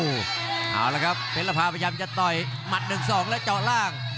โอ้โหเอาละครับเพลภาพยายามจะต่อยหมัดหนึ่งสองและเจาะล่าง